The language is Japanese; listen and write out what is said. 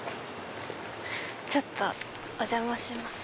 ちょっとお邪魔します。